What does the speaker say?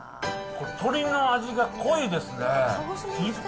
これ、鶏の味が濃いですね。